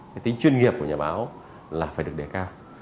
cái tính chuyên nghiệp của nhà báo là phải được đề cao